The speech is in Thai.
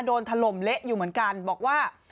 ถล่มเละอยู่เหมือนกันบอกว่า